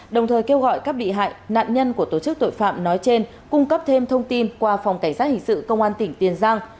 đồng thời kêu gọi các bị hại nạn nhân của tổ chức tội phạm nói trên cung cấp thêm thông tin qua phòng cảnh sát hình sự công an tỉnh tiền giang